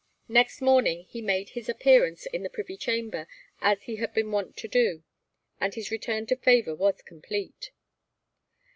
Next morning he made his appearance in the Privy Chamber as he had been wont to do, and his return to favour was complete.